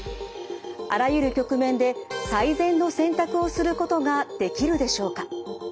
あらゆる局面で最善の選択をすることができるでしょうか。